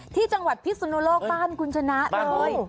ที่จังหวัดพิสุนโลกบ้านคุณชนะเลย